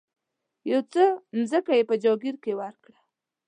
یو څه مځکه یې په جاګیر کې ورکړه.